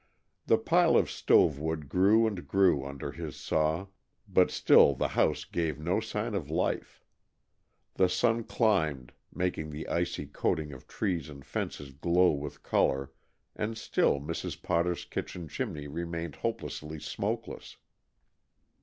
The pile of stove wood grew and grew under his saw but still the house gave no sign of life. The sun climbed, making the icy coating of trees and fences glow with color, and still Mrs. Potter's kitchen chimney remained hopelessly smokeless.